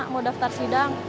mau daftar sidang